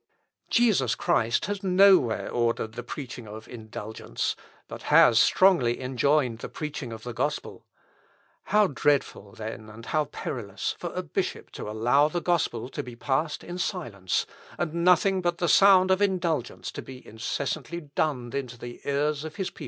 Jesus Christ has nowhere ordered the preaching of indulgence; but has strongly enjoined the preaching of the gospel. How dreadful, then and how perilous, for a bishop to allow the gospel to be passed in silence, and nothing but the sound of indulgence to be incessantly dunned into the ears of his people....